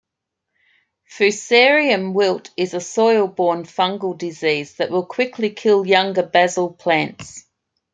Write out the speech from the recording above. Fusarium wilt is a soil-borne fungal disease that will quickly kill younger basil plants.